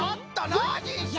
ノージーさん！